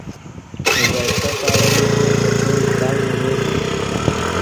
نو باید ښه خواړه وخورو ترڅو وېښتان مو روغ وي